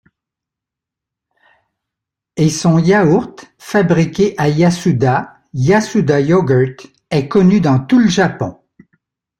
Et son yaourt, fabriqué à Yasuda, Yasuda yogurt, est connu dans tout le Japon.